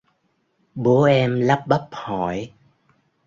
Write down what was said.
bố em lắp bắp hỏi